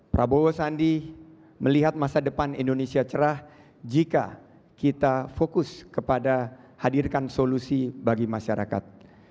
prabowo sandi melihat masa depan indonesia cerah jika kita fokus kepada hadirkan solusi bagi masyarakat